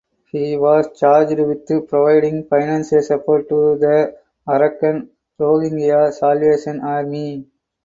He was charged with providing financial support to the Arakan Rohingya Salvation Army.